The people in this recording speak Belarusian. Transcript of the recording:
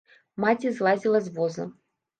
Маці злазіла з воза.